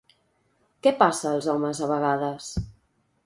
Què passa als homes a vegades?